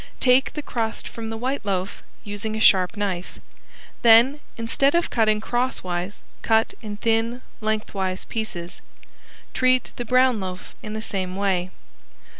Take the crust from the white loaf, using a sharp knife. Then instead of cutting crosswise cut in thin lengthwise pieces. Treat the brown loaf in the same way.